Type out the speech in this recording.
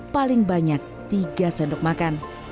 paling banyak tiga sendok makan